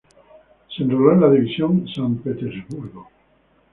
Se enroló en la división San Petersburgo.